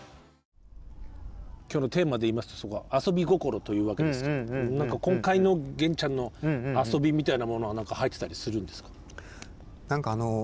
今日のテーマで言いますと「アソビゴコロ」というわけですけど今回の源ちゃんの遊びみたいなものは何か入ってたりするんですか？